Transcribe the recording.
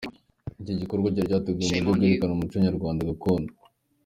Iki gikorwa cyari cyateguwe mu buryo bwerekana umuco nyarwanda gakondo.